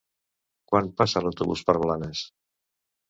Quan passa l'autobús per Blanes?